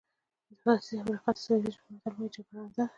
د ختیځې افریقا د سوهیلي ژبې متل وایي جګړه ړنده ده.